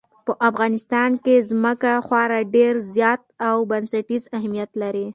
په افغانستان کې ځمکه خورا ډېر زیات او بنسټیز اهمیت لري.